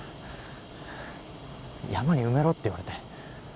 山に埋めろって言われて。